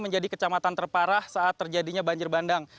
menjadi kecamatan terparah saat terjadinya banjir bandang